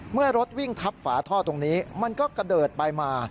เมื่อรถวิ่งทับฝาท่อตรงนี้มันก็กระเดิดไปมา